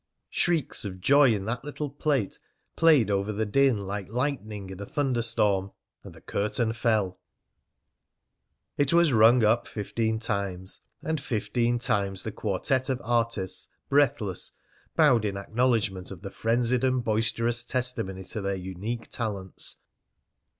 Shrieks of joy in that little plate played over the din like lightning in a thunder storm. And the curtain fell. It was rung up fifteen times, and fifteen times the quartette of artists, breathless, bowed in acknowledgment of the frenzied and boisterous testimony to their unique talents.